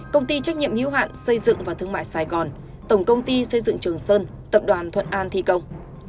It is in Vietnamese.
công ty trách nhiệm hữu hạn xây dựng và thương mại sài gòn tổng công ty xây dựng trường sơn tập đoàn thuận an thi công